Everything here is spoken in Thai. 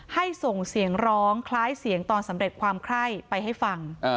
ส่งเสียงร้องคล้ายเสียงตอนสำเร็จความไคร้ไปให้ฟัง